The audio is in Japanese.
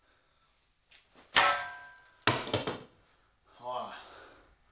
おい。